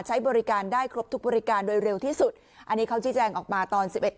ใช้บริการได้ครบทุกบริการโดยเร็วที่สุดอันนี้เขาชี้แจงออกมาตอนสิบเอ็ด